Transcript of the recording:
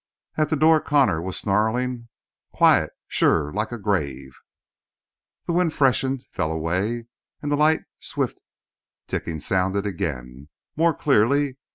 At the door Connor was snarling: "Quiet? Sure; like a grave!" The wind freshened, fell away, and the light, swift ticking sounded again more clearly.